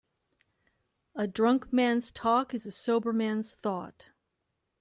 A drunk man's talk is a sober man's thought.